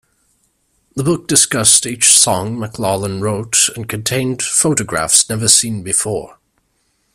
The book discussed each song McLaughlin wrote and contained photographs never seen before.